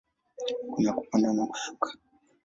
Kuna kupanda na kushuka.